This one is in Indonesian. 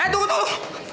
eh tunggu tunggu